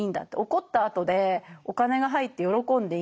怒ったあとでお金が入って喜んでいいんだって。